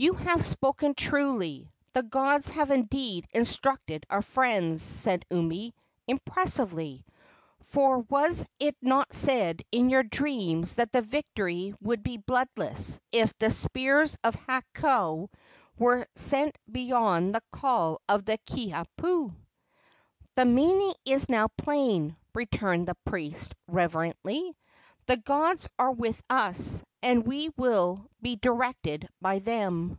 "You have spoken truly; the gods have indeed instructed our friends!" said Umi, impressively; "for was it not said in your dreams that the victory would be bloodless if the spears of Hakau were sent beyond the call of the Kiha pu?" "The meaning is now plain," returned the priest, reverentially. "The gods are with us, and we will be directed by them."